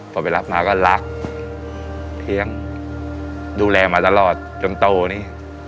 พอไปรับมาก็รักเลี้ยงดูแลมาตลอดจนโตนี่